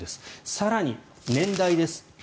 更に、年代です。